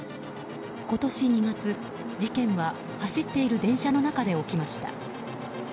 今年２月、事件は走っている電車の中で起きました。